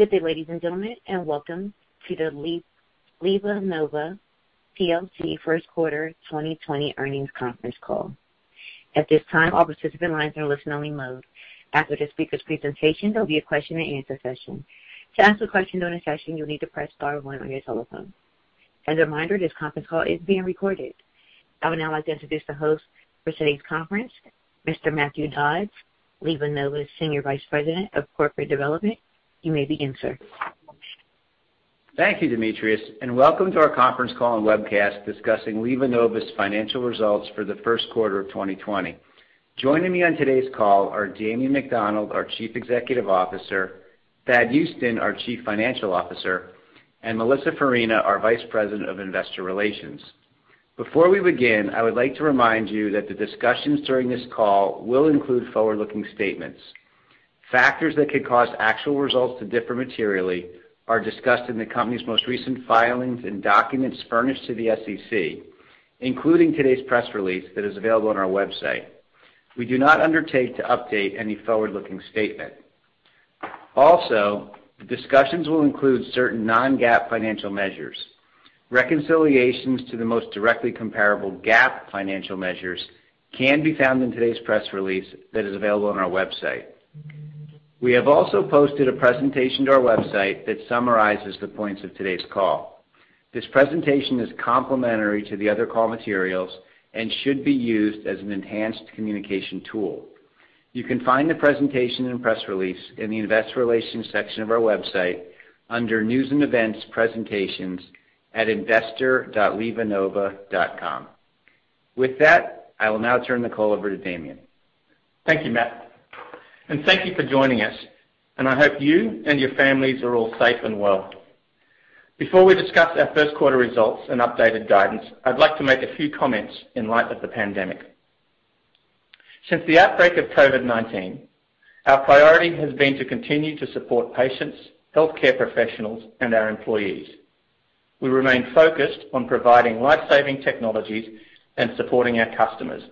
Good day, ladies and gentlemen, and welcome to the LivaNova PLC first quarter 2020 earnings conference call. At this time, all participant lines are in listen-only mode. After the speakers' presentation, there'll be a question and answer session. To ask a question during the session, you'll need to press star-one on your telephone. As a reminder, this conference call is being recorded. I would now like to introduce the host for today's conference, Mr. Matthew Dodds, LivaNova's Senior Vice President of Corporate Development. You may begin, sir. Thank you, Demetrius, and welcome to our conference call and webcast discussing LivaNova's financial results for the first quarter of 2020. Joining me on today's call are Damien McDonald, our Chief Executive Officer, Thad Huston, our Chief Financial Officer, and Melissa Farina, our Vice President of Investor Relations. Before we begin, I would like to remind you that the discussions during this call will include forward-looking statements. Factors that could cause actual results to differ materially are discussed in the company's most recent filings and documents furnished to the SEC, including today's press release that is available on our website. We do not undertake to update any forward-looking statement. Also, the discussions will include certain non-GAAP financial measures. Reconciliations to the most directly comparable GAAP financial measures can be found in today's press release that is available on our website. We have also posted a presentation to our website that summarizes the points of today's call. This presentation is complementary to the other call materials and should be used as an enhanced communication tool. You can find the presentation and press release in the investor relations section of our website under News & Events, Presentations at investor.livanova.com. With that, I will now turn the call over to Damien. Thank you, Matt, and thank you for joining us, and I hope you and your families are all safe and well. Before we discuss our first quarter results and updated guidance, I'd like to make a few comments in light of the pandemic. Since the outbreak of COVID-19, our priority has been to continue to support patients, healthcare professionals, and our employees. We remain focused on providing life-saving technologies and supporting our customers.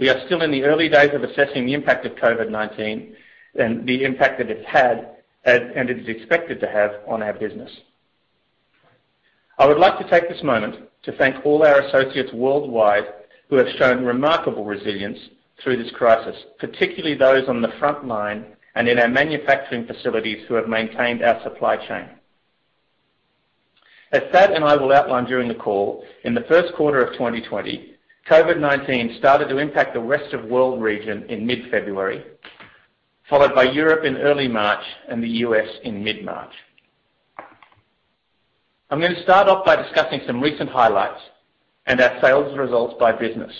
We are still in the early days of assessing the impact of COVID-19 and the impact that it's had, and is expected to have on our business. I would like to take this moment to thank all our associates worldwide who have shown remarkable resilience through this crisis, particularly those on the front line and in our manufacturing facilities who have maintained our supply chain. As Thad and I will outline during the call, in the first quarter of 2020, COVID-19 started to impact the rest of world region in mid-February, followed by Europe in early March and the U.S. in mid-March. I'm going to start off by discussing some recent highlights and our sales results by business.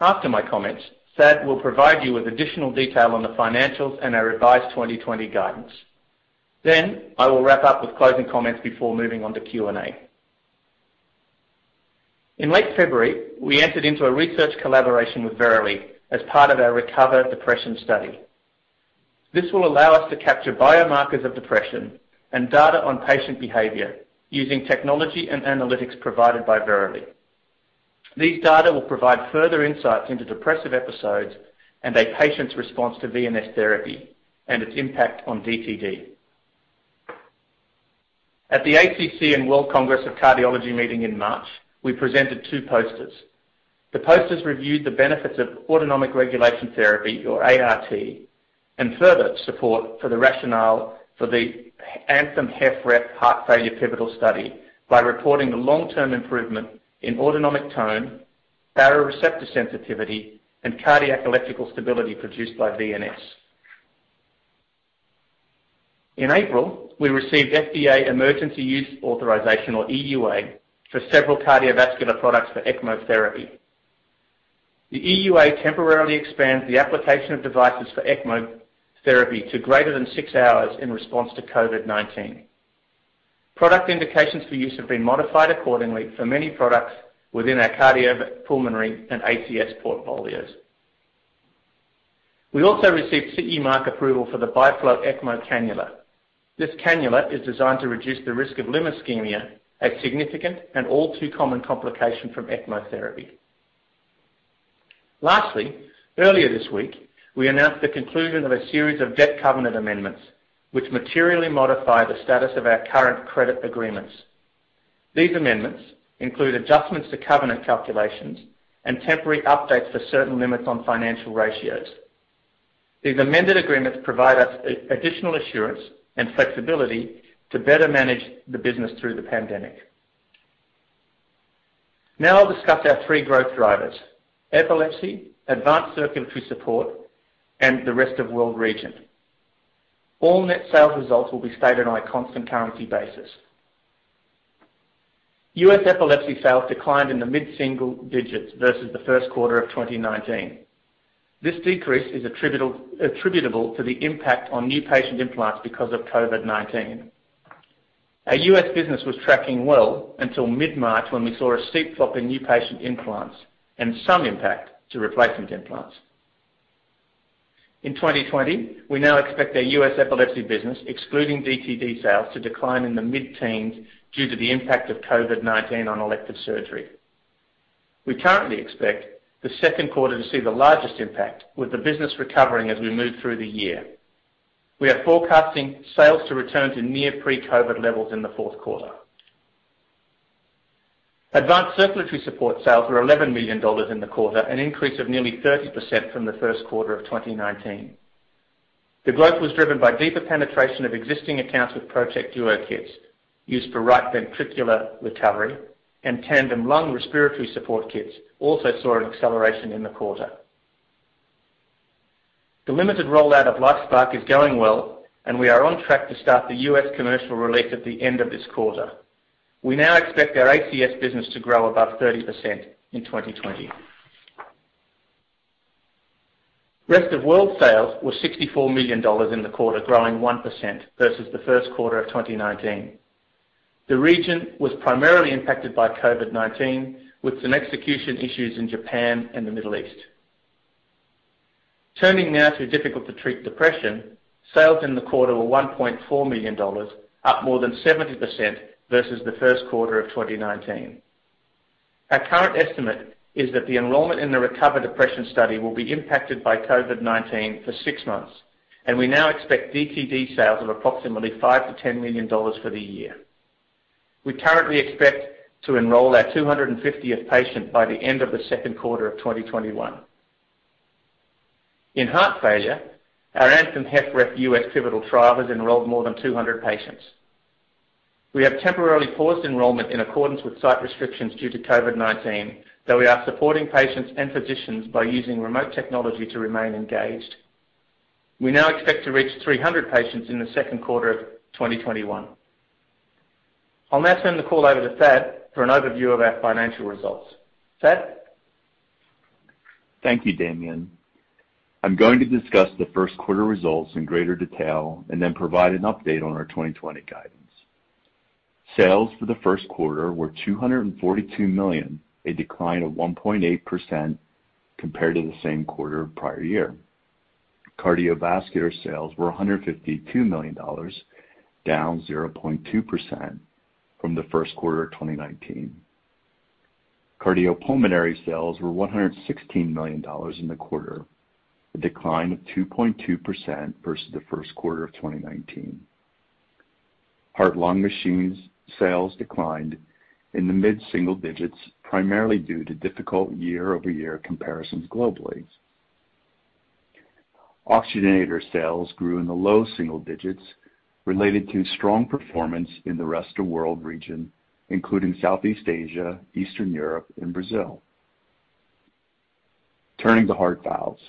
After my comments, Thad will provide you with additional detail on the financials and our revised 2020 guidance, then I will wrap up with closing comments before moving on to Q&A. In late February, we entered into a research collaboration with Verily as part of our RECOVER depression study. This will allow us to capture biomarkers of depression and data on patient behavior using technology and analytics provided by Verily. These data will provide further insights into depressive episodes and a patient's response to VNS Therapy and its impact on DTD. At the ACC and World Congress of Cardiology meeting in March, we presented two posters. The posters reviewed the benefits of Autonomic Regulation Therapy, or ART, and further support for the rationale for the ANTHEM-HFrEF heart failure pivotal study by reporting the long-term improvement in autonomic tone, baroreceptor sensitivity, and cardiac electrical stability produced by VNS. In April, we received FDA Emergency Use Authorization, or EUA, for several cardiovascular products for ECMO therapy. The EUA temporarily expands the application of devices for ECMO therapy to greater than six hours in response to COVID-19. Product indications for use have been modified accordingly for many products within our cardiopulmonary and ACS portfolios. We also received CE mark approval for the Bi-Flow ECMO cannula. This cannula is designed to reduce the risk of limb ischemia, a significant and all too common complication from ECMO therapy. Earlier this week, we announced the conclusion of a series of debt covenant amendments, which materially modify the status of our current credit agreements. These amendments include adjustments to covenant calculations and temporary updates for certain limits on financial ratios. These amended agreements provide us additional assurance and flexibility to better manage the business through the pandemic. I'll discuss our three growth drivers, epilepsy, advanced circulatory support, and the rest of world region. All net sales results will be stated on a constant currency basis. U.S. epilepsy sales declined in the mid-single digits versus the first quarter of 2019. This decrease is attributable to the impact on new patient implants because of COVID-19. Our U.S. business was tracking well until mid-March when we saw a steep drop in new patient implants and some impact to replacement implants. In 2020, we now expect our U.S. epilepsy business, excluding DTD sales, to decline in the mid-teens due to the impact of COVID-19 on elective surgery. We currently expect the second quarter to see the largest impact, with the business recovering as we move through the year. We are forecasting sales to return to near pre-COVID levels in the fourth quarter. Advanced circulatory support sales were $11 million in the quarter, an increase of nearly 30% from the first quarter of 2019. The growth was driven by deeper penetration of existing accounts with ProtekDuo kits used for right ventricular recovery, and TandemLung respiratory support kits also saw an acceleration in the quarter. The limited rollout of LifeSPARC is going well, and we are on track to start the U.S. commercial release at the end of this quarter. We now expect our ACS business to grow above 30% in 2020. Rest of World sales were $64 million in the quarter, growing 1% versus the first quarter of 2019. The region was primarily impacted by COVID-19, with some execution issues in Japan and the Middle East. Turning now to Difficult-to-Treat Depression, sales in the quarter were $1.4 million, up more than 70% versus the first quarter of 2019. Our current estimate is that the enrollment in the RECOVER depression study will be impacted by COVID-19 for six months, and we now expect DTD sales of approximately $5 million-$10 million for the year. We currently expect to enroll our 250th patient by the end of the second quarter of 2021. In heart failure, our ANTHEM-HFrEF U.S. pivotal trial has enrolled more than 200 patients. We have temporarily paused enrollment in accordance with site restrictions due to COVID-19, though we are supporting patients and physicians by using remote technology to remain engaged. We now expect to reach 300 patients in the second quarter of 2021. I'll now turn the call over to Thad for an overview of our financial results. Thad? Thank you, Damien. I'm going to discuss the first quarter results in greater detail and then provide an update on our 2020 guidance. Sales for the first quarter were $242 million, a decline of 1.8% compared to the same quarter of prior year. Cardiovascular sales were $152 million, down 0.2% from the first quarter of 2019. Cardiopulmonary sales were $116 million in the quarter, a decline of 2.2% versus the first quarter of 2019. Heart-lung machines sales declined in the mid-single digits, primarily due to difficult year-over-year comparisons globally. Oxygenator sales grew in the low single digits related to strong performance in the Rest of World region, including Southeast Asia, Eastern Europe, and Brazil. Turning to Heart Valves.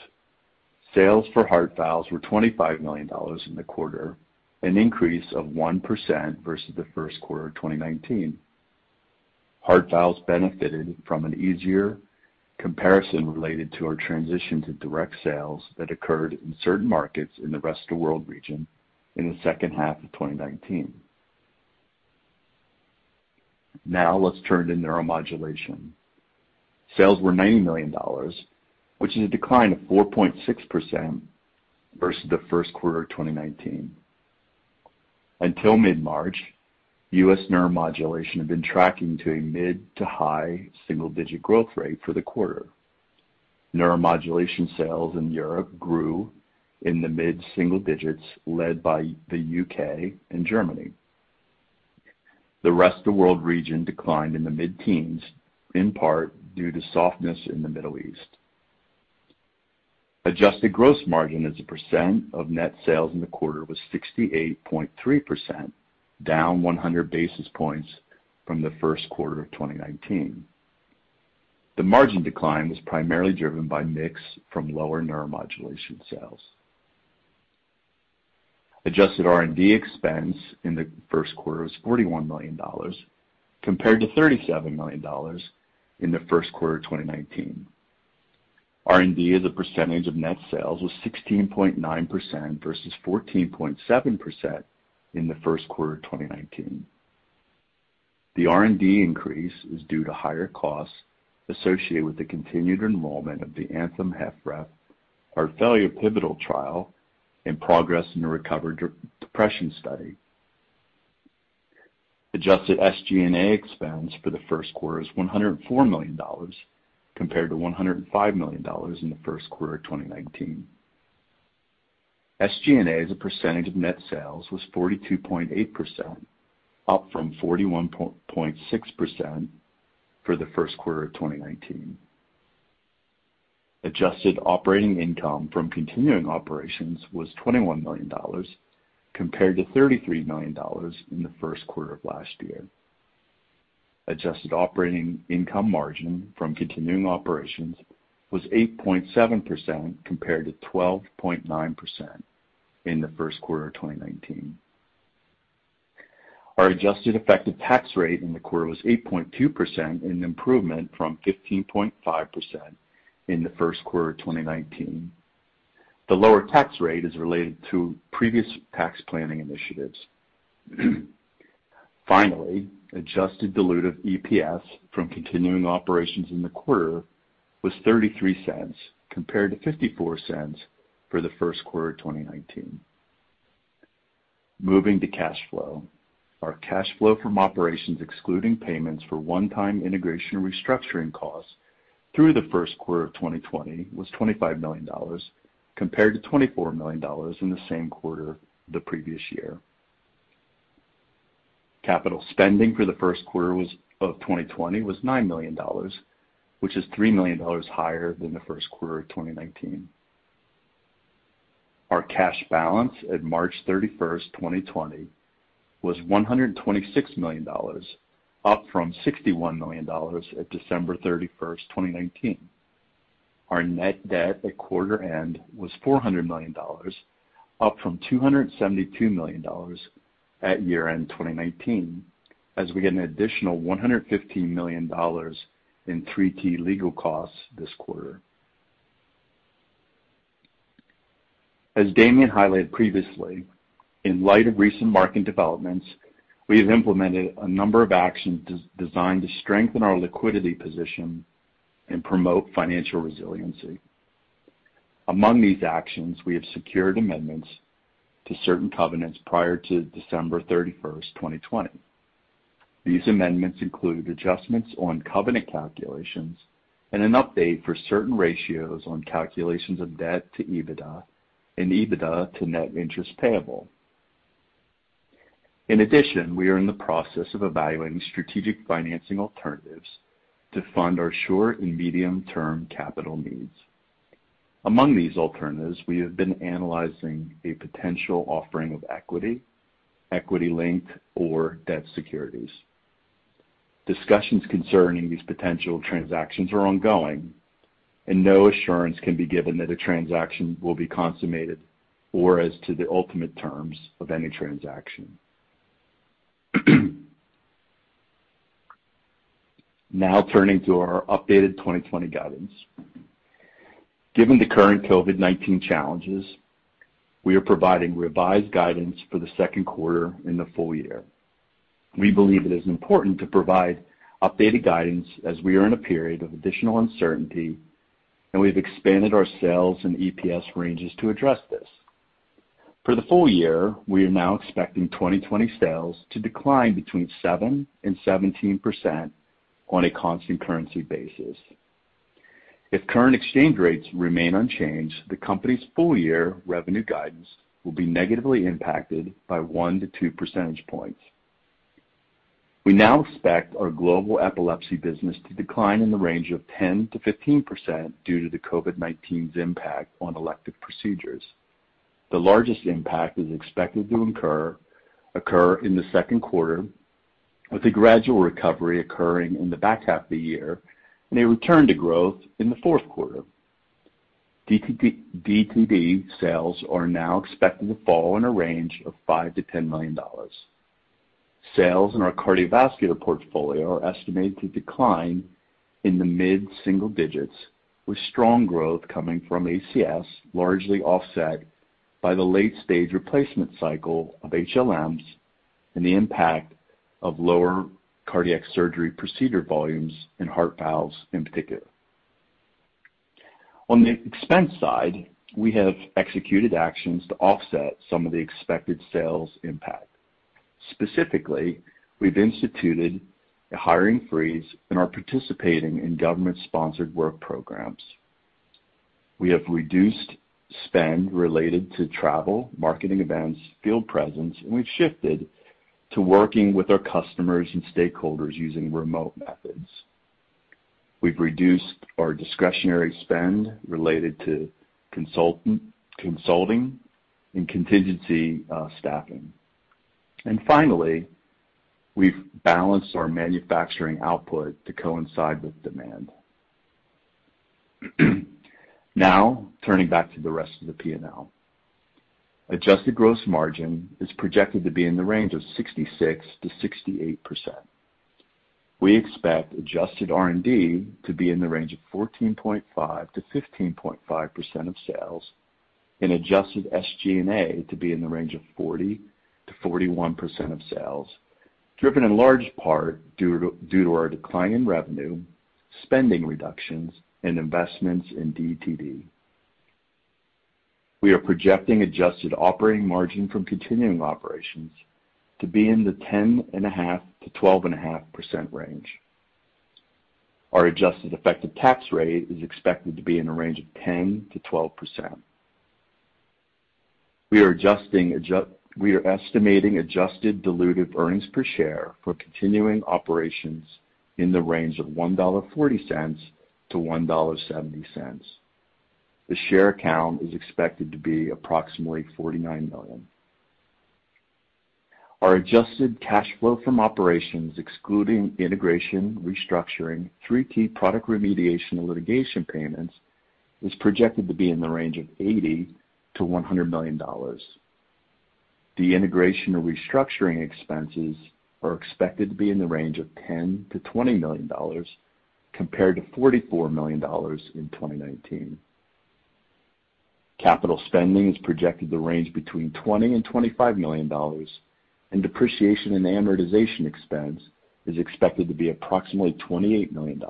Sales for heart valves were $25 million in the quarter, an increase of 1% versus the first quarter of 2019. Heart valves benefited from an easier comparison related to our transition to direct sales that occurred in certain markets in the Rest of World region in the second half of 2019. Let's turn to Neuromodulation. Sales were $90 million, which is a decline of 4.6% versus the first quarter of 2019. Until mid-March, U.S. neuromodulation had been tracking to a mid to high single-digit growth rate for the quarter. Neuromodulation sales in Europe grew in the mid-single digits, led by the U.K. and Germany. The Rest of World region declined in the mid-teens, in part due to softness in the Middle East. Adjusted gross margin as a percent of net sales in the quarter was 68.3%, down 100 basis points from the first quarter of 2019. The margin decline was primarily driven by mix from lower neuromodulation sales. Adjusted R&D expense in the first quarter was $41 million, compared to $37 million in the first quarter of 2019. R&D as a percentage of net sales was 16.9% versus 14.7% in the first quarter of 2019. The R&D increase is due to higher costs associated with the continued enrollment of the ANTHEM-HFrEF heart failure pivotal trial and progress in the RECOVER depression study. Adjusted SG&A expense for the first quarter was $104 million, compared to $105 million in the first quarter of 2019. SG&A as a percentage of net sales was 42.8%, up from 41.6% for the first quarter of 2019. Adjusted operating income from continuing operations was $21 million, compared to $33 million in the first quarter of last year. Adjusted operating income margin from continuing operations was 8.7%, compared to 12.9% in the first quarter of 2019. Our adjusted effective tax rate in the quarter was 8.2%, an improvement from 15.5% in the first quarter of 2019. The lower tax rate is related to previous tax planning initiatives. Finally, adjusted diluted EPS from continuing operations in the quarter was $0.33, compared to $0.54 for the first quarter of 2019. Moving to cash flow. Our cash flow from operations, excluding payments for one-time integration restructuring costs through the first quarter of 2020 was $25 million, compared to $24 million in the same quarter the previous year. Capital spending for the first quarter of 2020 was $9 million, which is $3 million higher than the first quarter of 2019. Our cash balance at March 31st, 2020 was $126 million, up from $61 million at December 31st, 2019. Our net debt at quarter end was $400 million, up from $272 million at year-end 2019, as we had an additional $115 million in 3T legal costs this quarter. As Damien highlighted previously, in light of recent market developments, we have implemented a number of actions designed to strengthen our liquidity position and promote financial resiliency. Among these actions, we have secured amendments to certain covenants prior to December 31, 2020. These amendments include adjustments on covenant calculations and an update for certain ratios on calculations of debt to EBITDA and EBITDA to net interest payable. In addition, we are in the process of evaluating strategic financing alternatives to fund our short and medium-term capital needs. Among these alternatives, we have been analyzing a potential offering of equity-linked or debt securities. Discussions concerning these potential transactions are ongoing and no assurance can be given that a transaction will be consummated or as to the ultimate terms of any transaction. Now, turning to our updated 2020 guidance. Given the current COVID-19 challenges, we are providing revised guidance for the second quarter and the full year. We believe it is important to provide updated guidance as we are in a period of additional uncertainty, and we've expanded our sales and EPS ranges to address this. For the full year, we are now expecting 2020 sales to decline between 7% and 17% on a constant currency basis. If current exchange rates remain unchanged, the company's full year revenue guidance will be negatively impacted by one to two percentage points. We now expect our global epilepsy business to decline in the range of 10% to 15% due to the COVID-19's impact on elective procedures. The largest impact is expected to occur in the second quarter, with a gradual recovery occurring in the back half of the year, and a return to growth in the fourth quarter. DTD sales are now expected to fall in a range of $5 million-$10 million. Sales in our cardiovascular portfolio are estimated to decline in the mid-single digits, with strong growth coming from ACS, largely offset by the late-stage replacement cycle of HLMs and the impact of lower cardiac surgery procedure volumes in heart valves in particular. On the expense side, we have executed actions to offset some of the expected sales impact. Specifically, we've instituted a hiring freeze and are participating in government-sponsored work programs. We have reduced spend related to travel, marketing events, field presence, and we've shifted to working with our customers and stakeholders using remote methods. We've reduced our discretionary spend related to consulting and contingency staffing. Finally, we've balanced our manufacturing output to coincide with demand. Now, turning back to the rest of the P&L. Adjusted gross margin is projected to be in the range of 66%-68%. We expect adjusted R&D to be in the range of 14.5%-15.5% of sales and adjusted SG&A to be in the range of 40%-41% of sales, driven in large part due to our decline in revenue, spending reductions, and investments in DTD. We are projecting adjusted operating margin from continuing operations to be in the 10.5%-12.5% range. Our adjusted effective tax rate is expected to be in the range of 10%-12%. We are estimating adjusted diluted earnings per share for continuing operations in the range of $1.40-$1.70. The share count is expected to be approximately 49 million. Our adjusted cash flow from operations, excluding integration, restructuring, 3T product remediation and litigation payments, is projected to be in the range of $80 million-$100 million. De-integration or restructuring expenses are expected to be in the range of $10 million-$20 million compared to $44 million in 2019. Capital spending is projected to range between $20 million and $25 million, and depreciation and amortization expense is expected to be approximately $28 million.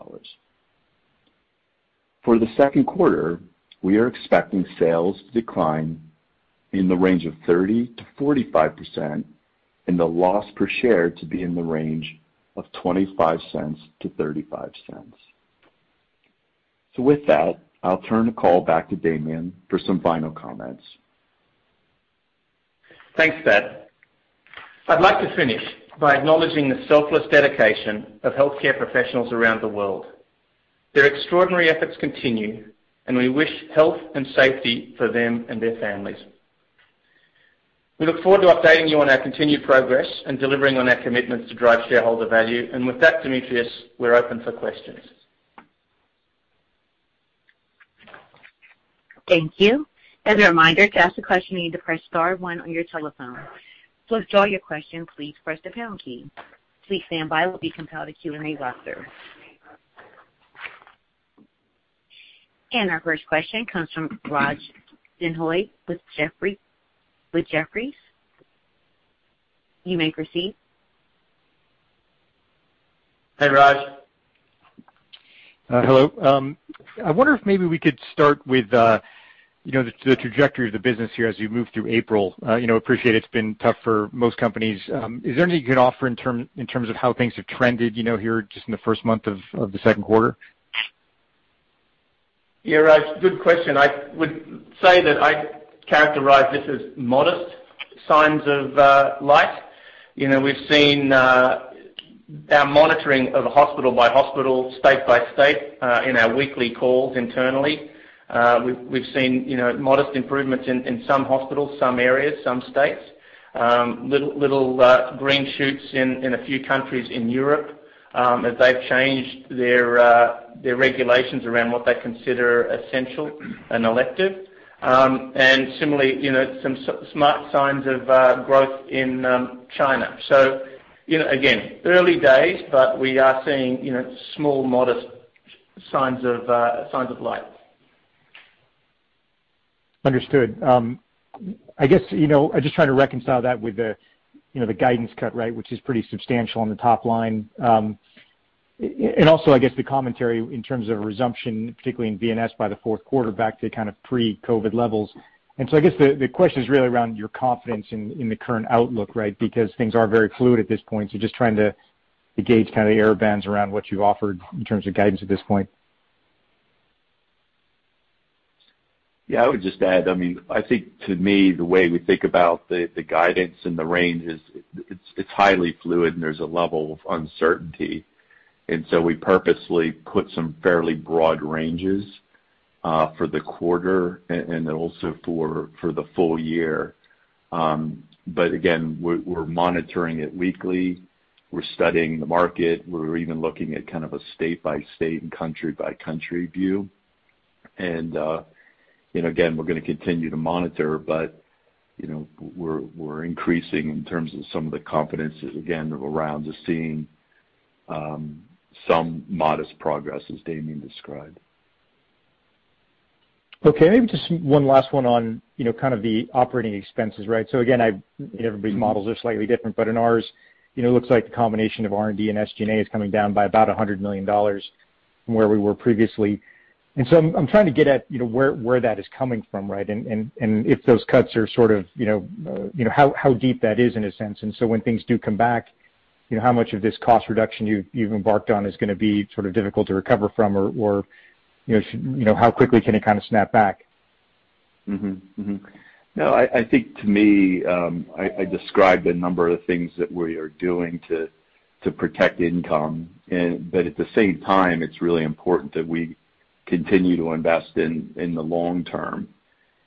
For the second quarter, we are expecting sales to decline in the range of 30%-45%, and the loss per share to be in the range of $0.25-$0.35. With that, I'll turn the call back to Damien for some final comments. Thanks, Thad. I'd like to finish by acknowledging the selfless dedication of healthcare professionals around the world. Their extraordinary efforts continue, and we wish health and safety for them and their families. We look forward to updating you on our continued progress and delivering on our commitments to drive shareholder value. With that, Demetrius, we're open for questions. Thank you. As a reminder, to ask a question, you need to press star one on your telephone. To withdraw your question, please press the pound key. Please stand by while we compile the Q&A roster. Our first question comes from Raj Denhoy with Jefferies. You may proceed. Hey, Raj. Hello. I wonder if maybe we could start with the trajectory of the business here as you move through April. Appreciate it's been tough for most companies. Is there anything you can offer in terms of how things have trended here just in the first month of the second quarter? Yeah, Raj, good question. I would say that I characterize this as modest signs of light. We've seen our monitoring of hospital by hospital, state by state, in our weekly calls internally. We've seen modest improvements in some hospitals, some areas, some states. Little green shoots in a few countries in Europe, as they've changed their regulations around what they consider essential and elective. Similarly, some smart signs of growth in China. Again, early days, but we are seeing small, modest signs of light. Understood. I guess, I'm just trying to reconcile that with the guidance cut, which is pretty substantial on the top line. Also, I guess, the commentary in terms of a resumption, particularly in VNS by the fourth quarter, back to kind of pre-COVID levels. I guess the question is really around your confidence in the current outlook, right? Because things are very fluid at this point, so just trying to gauge kind of the error bands around what you offered in terms of guidance at this point. Yeah, I would just add, I think to me, the way we think about the guidance and the range is it's highly fluid and there's a level of uncertainty. We purposely put some fairly broad ranges for the quarter and then also for the full year. Again, we're monitoring it weekly. We're studying the market. We're even looking at kind of a state-by-state and country-by-country view. Again, we're going to continue to monitor, but we're increasing in terms of some of the confidence, again, around just seeing some modest progress, as Damien described. Okay, maybe just one last one on kind of the operating expenses. Again, everybody's models are slightly different, but in ours, it looks like the combination of R&D and SG&A is coming down by about $100 million from where we were previously. I'm trying to get at where that is coming from. If those cuts are sort of how deep that is, in a sense. When things do come back, how much of this cost reduction you've embarked on is going to be sort of difficult to recover from or how quickly can it kind of snap back? I think to me, I described a number of the things that we are doing to protect income, but at the same time, it's really important that we continue to invest in the long term.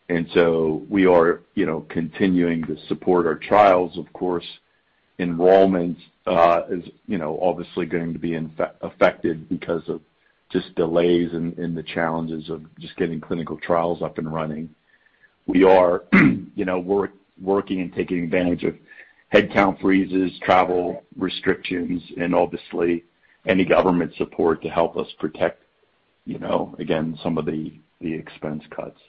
We are continuing to support our trials, of course. Enrollment is obviously going to be affected because of just delays and the challenges of just getting clinical trials up and running. We're working and taking advantage of headcount freezes, travel restrictions, and obviously any government support to help us protect, again, some of the expense cuts.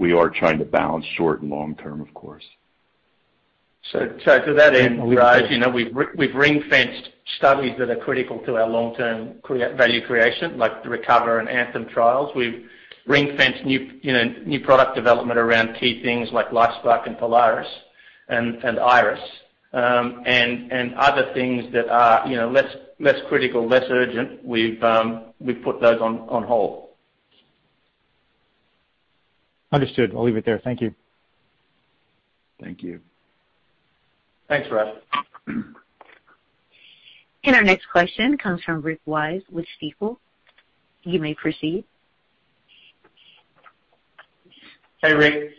We are trying to balance short and long term, of course. To that end, Raj, we've ring-fenced studies that are critical to our long-term value creation, like the RECOVER and ANTHEM-HFrEF trials. We've ring-fenced new product development around key things like LifeSPARC and Polaris and Iris. Other things that are less critical, less urgent, we've put those on hold. Understood. I'll leave it there. Thank you. Thank you. Thanks, Raj. Our next question comes from Rick Wise with Stifel. You may proceed. Hi, Rick.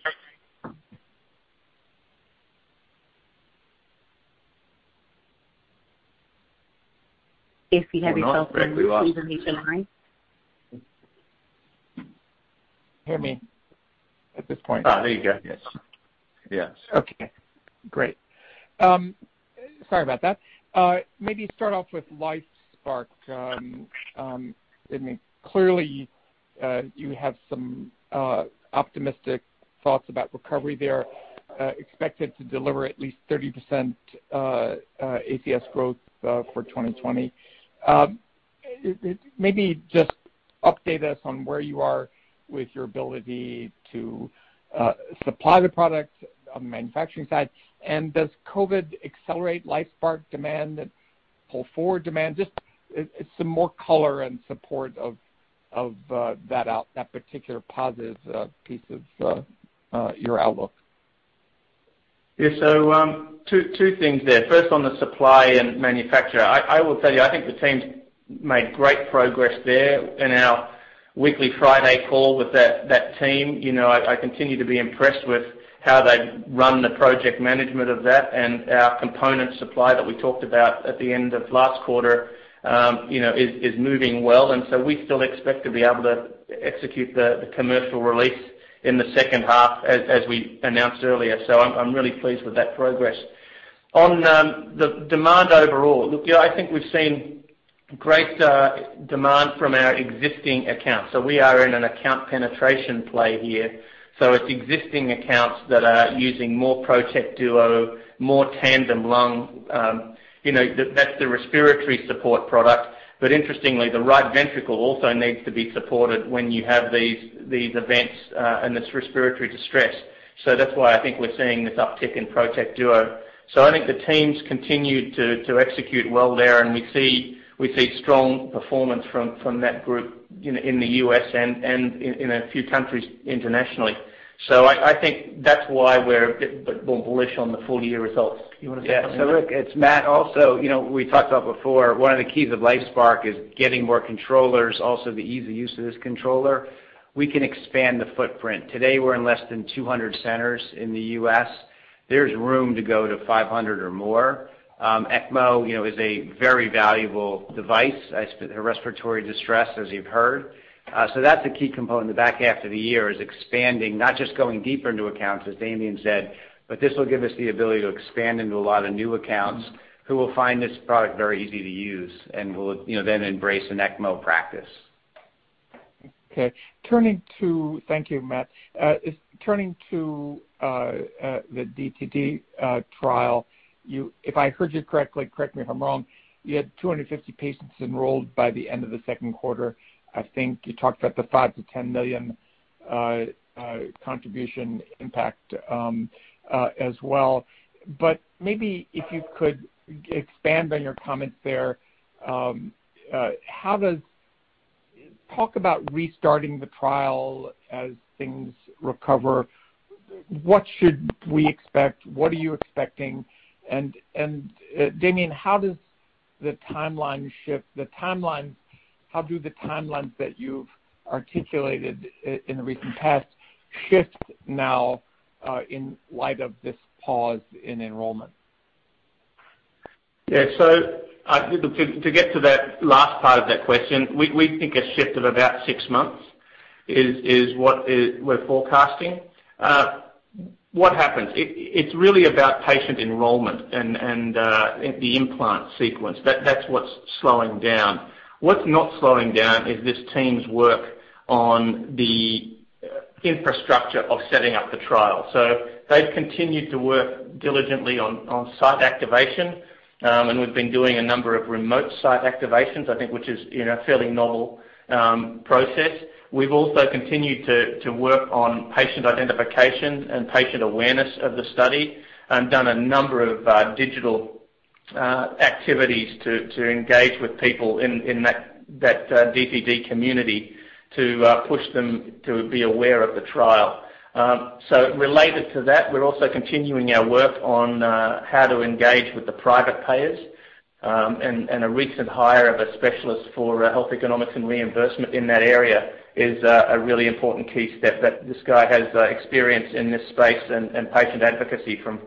If you have your telephone. We lost Rick. Please unmute your line. Can you hear me? There you go. Yes. Okay, great. Sorry about that. Start off with LifeSPARC. I mean, clearly you have some optimistic thoughts about recovery there, expected to deliver at least 30% ACS growth for 2020. Maybe just update us on where you are with your ability to supply the product on the manufacturing side. Does COVID-19 accelerate LifeSPARC demand, pull forward demand? Just some more color and support of that particular positive piece of your outlook. Yeah. Two things there. First, on the supply and manufacture, I will tell you, I think the team's made great progress there in our weekly Friday call with that team. I continue to be impressed with how they've run the project management of that and our component supply that we talked about at the end of last quarter, is moving well. We still expect to be able to execute the commercial release in the second half as we announced earlier. I'm really pleased with that progress. On the demand overall, look, I think we've seen great demand from our existing accounts. We are in an account penetration play here. It's existing accounts that are using more ProtekDuo, more TandemLung. That's the respiratory support product. Interestingly, the right ventricle also needs to be supported when you have these events, and it's respiratory distress. That's why I think we're seeing this uptick in ProtekDuo. I think the teams continue to execute well there, and we see strong performance from that group in the U.S. and in a few countries internationally. I think that's why we're a bit more bullish on the full-year results. You want to say something? Rick, it's Matt also. We talked about before, one of the keys of LifeSPARC is getting more controllers, also the ease of use of this controller. We can expand the footprint. Today, we're in less than 200 centers in the U.S. There's room to go to 500 or more. ECMO is a very valuable device, respiratory distress, as you've heard. That's a key component. The back half of the year is expanding, not just going deeper into accounts, as Damien said, but this will give us the ability to expand into a lot of new accounts who will find this product very easy to use and will then embrace an ECMO practice. Okay. Thank you, Matt. Turning to the DTD trial, if I heard you correctly, correct me if I'm wrong, you had 250 patients enrolled by the end of the second quarter. I think you talked about the $5 million-$10 million contribution impact as well. Maybe if you could expand on your comments there. Talk about restarting the trial as things recover. What should we expect? What are you expecting? Damien, how does the timeline shift? How do the timelines that you've articulated in the recent past shift now in light of this pause in enrollment? To get to that last part of that question, we think a shift of about six months is what we're forecasting. What happens? It's really about patient enrollment and the implant sequence. That what's slowing down. What's not slowing down is this team's work on the infrastructure of setting up the trial. They've continued to work diligently on site activation, and we've been doing a number of remote site activations, I think, which is a fairly novel process. We've also continued to work on patient identification and patient awareness of the study and done a number of digital activities to engage with people in that DTD community to push them to be aware of the trial. Related to that, we're also continuing our work on how to engage with the private payers, and a recent hire of a specialist for health economics and reimbursement in that area is a really important key step. This guy has experience in this space and patient advocacy from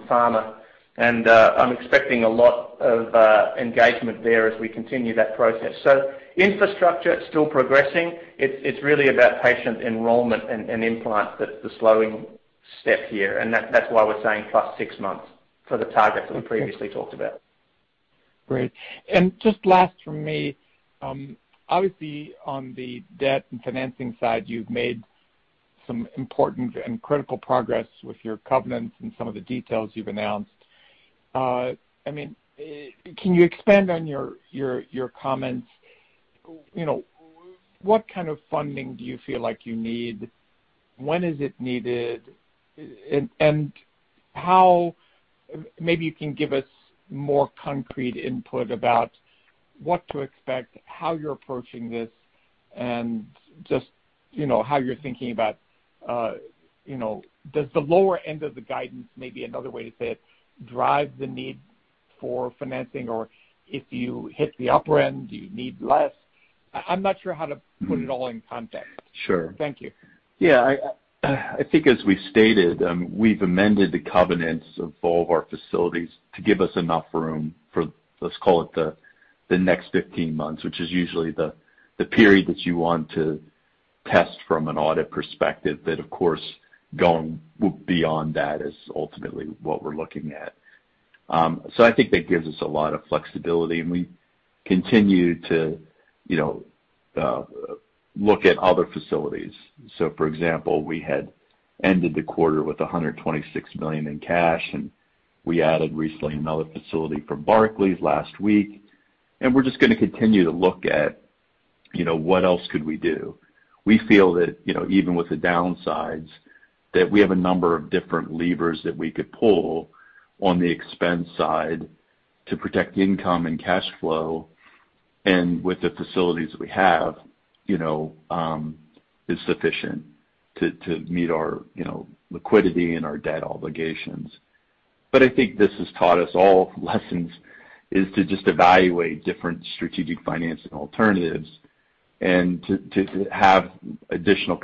pharma. I'm expecting a lot of engagement there as we continue that process. Infrastructure, it's still progressing. It's really about patient enrollment and implant that's the slowing step here, and that's why we're saying plus six months for the target that we previously talked about. Great. Just last from me, obviously on the debt and financing side, you've made some important and critical progress with your covenants and some of the details you've announced. Can you expand on your comments? What kind of funding do you feel like you need? When is it needed? Maybe you can give us more concrete input about what to expect, how you're approaching this, and just how you're thinking about, does the lower end of the guidance, maybe another way to say it, drive the need for financing? If you hit the upper end, do you need less? I'm not sure how to put it all in context. Sure. Thank you. I think as we stated, we've amended the covenants of all of our facilities to give us enough room for, let's call it, the next 15 months, which is usually the period that you want to test from an audit perspective. That, of course, going beyond that is ultimately what we're looking at. I think that gives us a lot of flexibility, and we continue to look at other facilities. For example, we had ended the quarter with $126 million in cash. We added recently another facility for Barclays last week. We're just going to continue to look at what else could we do. We feel that even with the downsides, that we have a number of different levers that we could pull on the expense side to protect income and cash flow, and with the facilities that we have, is sufficient to meet our liquidity and our debt obligations. I think this has taught us all lessons, is to just evaluate different strategic financing alternatives and to have additional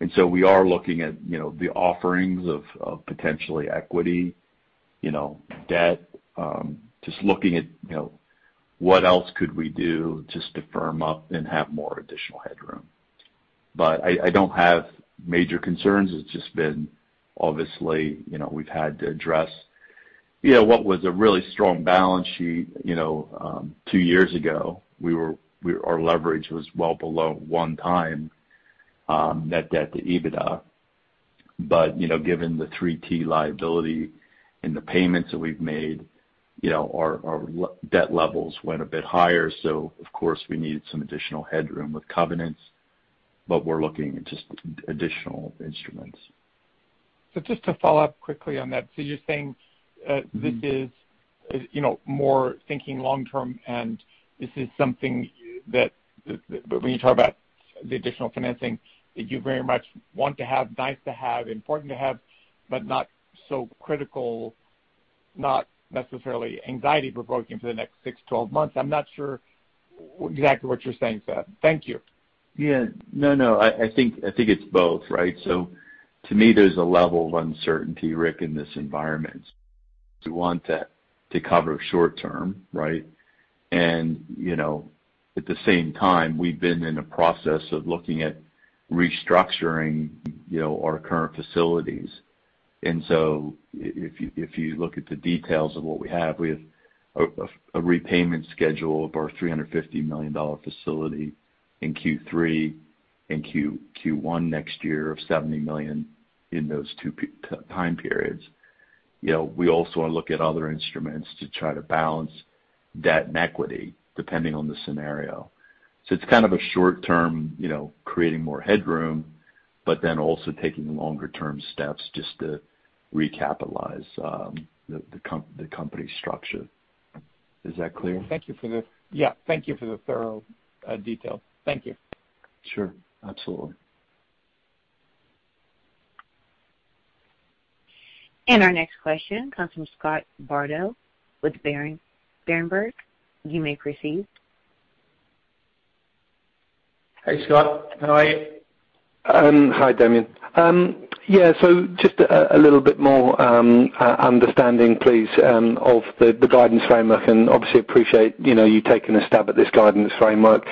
capacity. We are looking at the offerings of potentially equity, debt, just looking at what else could we do just to firm up and have more additional headroom. I don't have major concerns. It's just been, obviously, we've had to address what was a really strong balance sheet. Two years ago, our leverage was well below one time net debt to EBITDA. Given the 3T liability and the payments that we've made, our debt levels went a bit higher. Of course, we needed some additional headroom with covenants, but we're looking at just additional instruments. Just to follow up quickly on that. You're saying this is more thinking long-term, and this is something that when you talk about the additional financing, that you very much want to have, nice to have, important to have, but not so critical, not necessarily anxiety-provoking for the next 6-12 months. I'm not sure exactly what you're saying, Thad. Thank you. Yeah. No, I think it's both, right? To me, there's a level of uncertainty, Rick, in this environment. We want that to cover short term, right? At the same time, we've been in a process of looking at restructuring our current facilities. If you look at the details of what we have, we have a repayment schedule of our $350 million facility in Q3 and Q1 next year of $70 million in those two time periods. We also look at other instruments to try to balance debt and equity, depending on the scenario. It's kind of a short term, creating more headroom, but then also taking longer term steps just to recapitalize the company's structure. Is that clear? Yeah. Thank you for the thorough detail. Thank you. Sure. Absolutely. Our next question comes from Scott Bardo with Berenberg. You may proceed. Hey, Scott. How are you? Hi, Damien. Just a little bit more understanding, please, of the guidance framework, obviously appreciate you taking a stab at this guidance framework.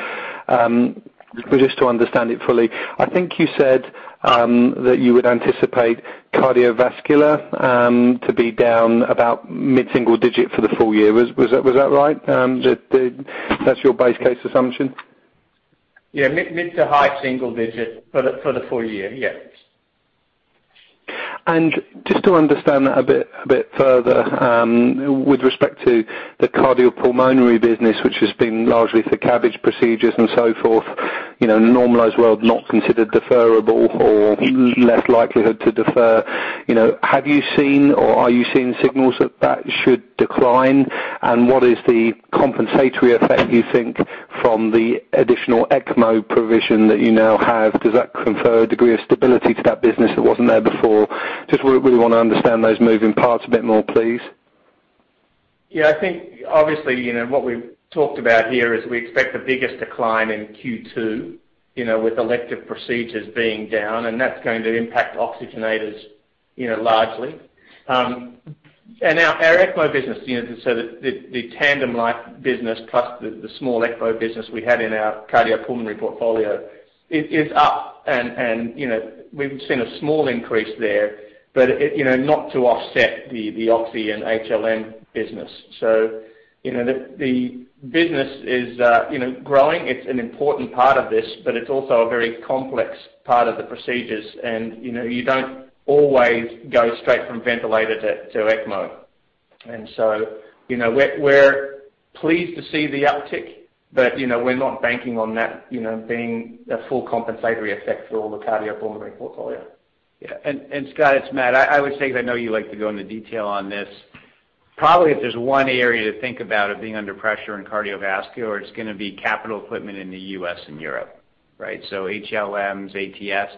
Just to understand it fully, I think you said that you would anticipate cardiovascular to be down about mid-single digit for the full year. Was that right? That's your base case assumption? Yeah. Mid to high single digit for the full year. Yeah. Just to understand that a bit further, with respect to the cardiopulmonary business, which has been largely for CABG procedures and so forth, in a normalized world, not considered deferrable or less likelihood to defer. Have you seen or are you seeing signals that that should decline? What is the compensatory effect, you think, from the additional ECMO provision that you now have? Does that confer a degree of stability to that business that wasn't there before? Just really want to understand those moving parts a bit more, please. Yeah, I think obviously, what we've talked about here is we expect the biggest decline in Q2, with elective procedures being down, and that's going to impact oxygenators largely. Our ECMO business, so the TandemLife business plus the small ECMO business we had in our cardiopulmonary portfolio is up. We've seen a small increase there, but not to offset the Oxygenator and HLM business. The business is growing. It's an important part of this, but it's also a very complex part of the procedures. You don't always go straight from ventilator to ECMO. We're pleased to see the uptick, but we're not banking on that being a full compensatory effect for all the cardiopulmonary portfolio. Yeah. Scott, it's Matt. I would say, because I know you like to go into detail on this. Probably if there's one area to think about of being under pressure in cardiovascular, it's going to be capital equipment in the U.S. and Europe. Right? HLMs, ATS,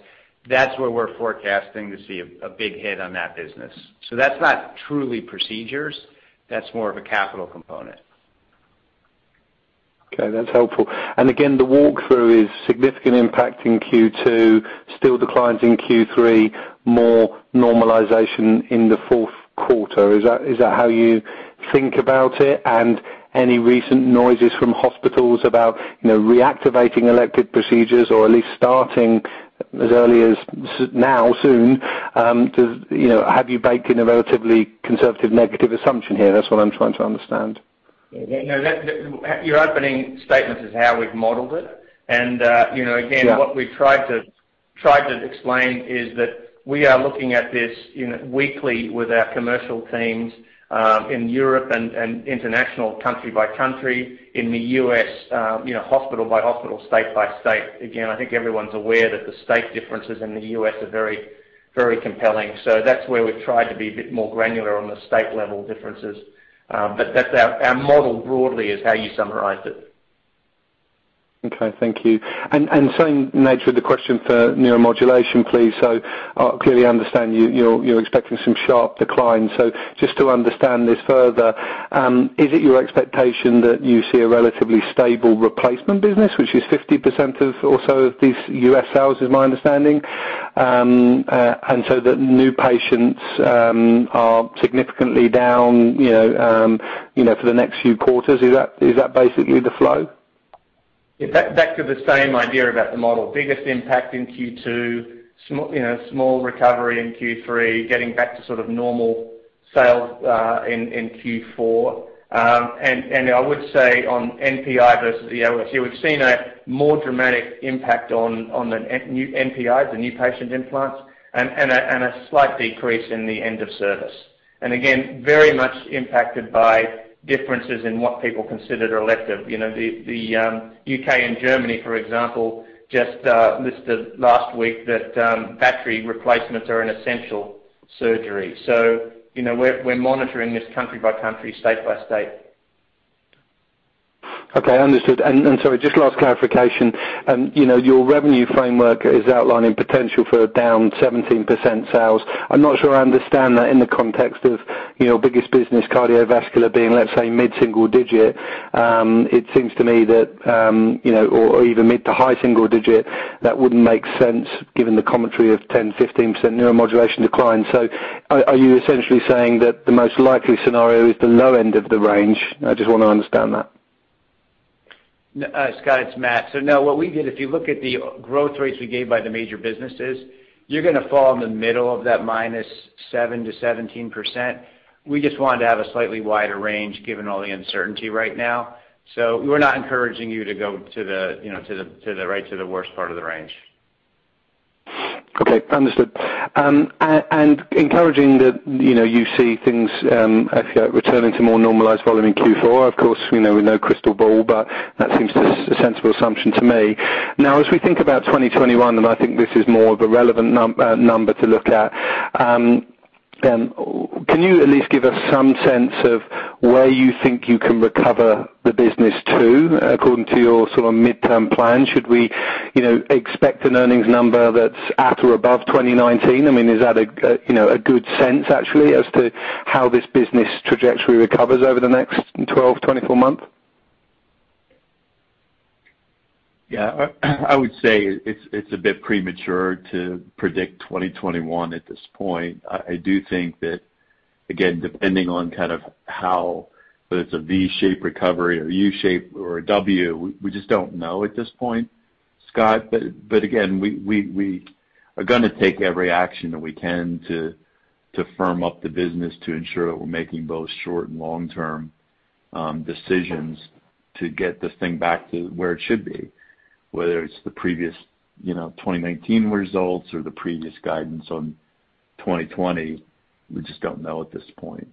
that's where we're forecasting to see a big hit on that business. That's not truly procedures, that's more of a capital component. Okay. That's helpful. Again, the walkthrough is significant impact in Q2, still declines in Q3, more normalization in the fourth quarter. Is that how you think about it? Any recent noises from hospitals about reactivating elective procedures or at least starting as early as now, soon? Have you baked in a relatively conservative negative assumption here? That's what I'm trying to understand. Your opening statement is how we've modeled it. Again, what we've tried to explain is that we are looking at this weekly with our commercial teams, in Europe and international, country by country, in the U.S., hospital by hospital, state by state. Again, I think everyone's aware that the state differences in the U.S. are very compelling. That's where we've tried to be a bit more granular on the state-level differences. Our model broadly is how you summarized it. Okay, thank you. Same nature of the question for neuromodulation, please. I clearly understand you're expecting some sharp declines. Just to understand this further, is it your expectation that you see a relatively stable replacement business, which is 50% of also these U.S. sales, is my understanding, and so the new patients are significantly down for the next few quarters? Is that basically the flow? Back to the same idea about the model. Biggest impact in Q2, small recovery in Q3, getting back to sort of normal sales in Q4. I would say on NPI versus EOS, we've seen a more dramatic impact on the NPI, the new patient implants, and a slight decrease in the end of service. Again, very much impacted by differences in what people considered elective. The U.K. and Germany, for example, just listed last week that battery replacements are an essential surgery. We're monitoring this country by country, state by state. Okay, understood. Sorry, just last clarification. Your revenue framework is outlining potential for down 17% sales. I'm not sure I understand that in the context of your biggest business, cardiovascular being, let's say, mid-single digit. It seems to me that, or even mid to high single digit, that wouldn't make sense given the commentary of 10%-15% neuromodulation decline. Are you essentially saying that the most likely scenario is the low end of the range? I just want to understand that. Scott, it's Matt. No, what we did, if you look at the growth rates we gave by the major businesses, you're going to fall in the middle of that -7% to 17%. We just wanted to have a slightly wider range given all the uncertainty right now. We're not encouraging you to go right to the worst part of the range. Okay, understood. Encouraging that you see things returning to more normalized volume in Q4. Of course, we know crystal ball, but that seems a sensible assumption to me. As we think about 2021, and I think this is more of a relevant number to look at, can you at least give us some sense of where you think you can recover the business to according to your sort of mid-term plan? Should we expect an earnings number that's at or above 2019? I mean, is that a good sense actually as to how this business trajectory recovers over the next 12-24 months? Yeah. I would say it's a bit premature to predict 2021 at this point. I do think that, again, depending on kind of how, whether it's a V-shaped recovery or U-shape or a W, we just don't know at this point, Scott. Again, we are going to take every action that we can to firm up the business to ensure that we're making both short and long-term decisions to get this thing back to where it should be, whether it's the previous 2019 results or the previous guidance on 2020, we just don't know at this point.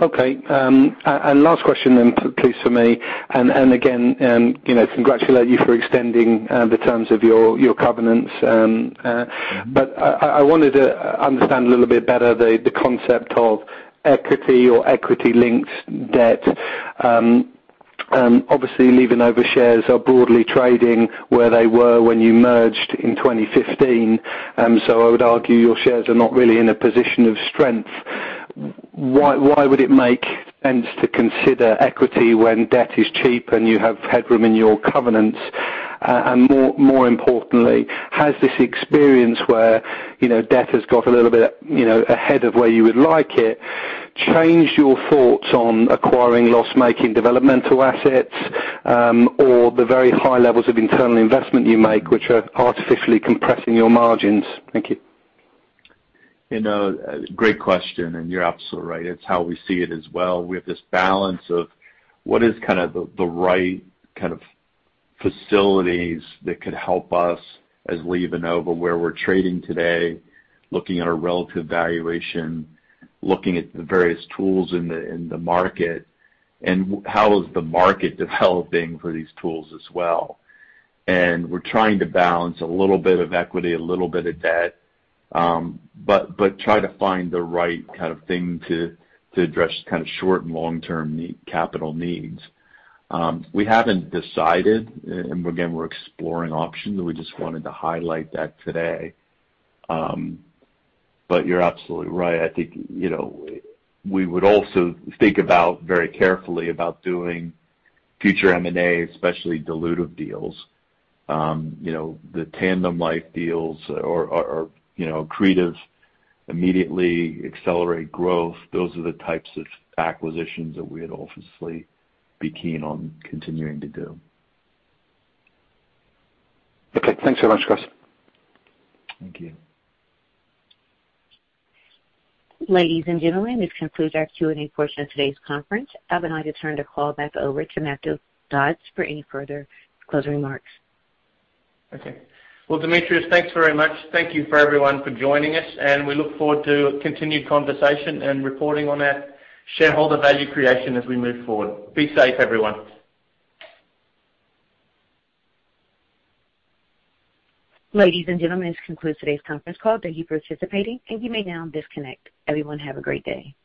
Okay. Last question then, please, from me. Again, congratulate you for extending the terms of your covenants. I wanted to understand a little bit better the concept of equity or equity-linked debt. Obviously, LivaNova shares are broadly trading where they were when you merged in 2015. I would argue your shares are not really in a position of strength. Why would it make sense to consider equity when debt is cheap and you have headroom in your covenants? More importantly, has this experience where debt has got a little bit ahead of where you would like it, changed your thoughts on acquiring loss-making developmental assets, or the very high levels of internal investment you make, which are artificially compressing your margins? Thank you. Great question, and you're absolutely right. It's how we see it as well. We have this balance of what is kind of the right kind of facilities that could help us as LivaNova, where we're trading today, looking at our relative valuation, looking at the various tools in the market, and how is the market developing for these tools as well. We're trying to balance a little bit of equity, a little bit of debt, but try to find the right kind of thing to address kind of short and long-term capital needs. We haven't decided, and again, we're exploring options. We just wanted to highlight that today. You're absolutely right. I think we would also think very carefully about doing future M&A, especially dilutive deals. The TandemLife deals or accretive immediately accelerate growth. Those are the types of acquisitions that we would obviously be keen on continuing to do. Okay. Thanks so much, guys. Thank you. Ladies and gentlemen, this concludes our Q&A portion of today's conference. I would now like to turn the call back over to Matthew Dodds for any further closing remarks. Okay. Well, Demetrius, thanks very much. Thank you for everyone for joining us, and we look forward to a continued conversation and reporting on our shareholder value creation as we move forward. Be safe, everyone. Ladies and gentlemen, this concludes today's conference call. Thank you for participating, and you may now disconnect. Everyone, have a great day.